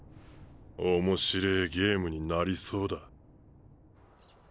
面白えゲームになりそうだ。